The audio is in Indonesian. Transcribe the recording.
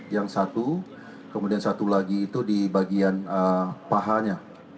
yang satu kemudian satu lagi itu di bagian pahanya